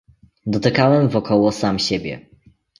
"Dotykałem wokoło sam siebie."